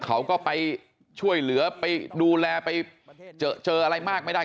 เขาก็ไปช่วยเหลือไปดูแลไปเจออะไรมากไม่ได้